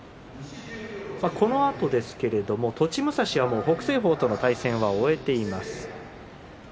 このあとですが栃武蔵は北青鵬との対戦は終えています。